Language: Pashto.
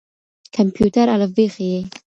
کمپيوټر الفبې ښيي.